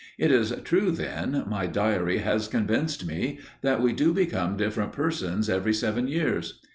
It is true, then, my diary has convinced me, that we do become different persons every seven years.